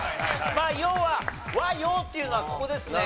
まあ要は和・洋っていうのはここですね。